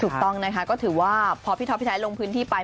ถูกต้องนะคะก็ถือว่าพอพี่ท็อปพี่ไทยลงพื้นที่ไป